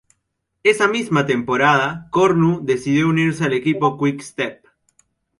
Esa misma temporada, Cornu decidió unirse al equipo Quick Step.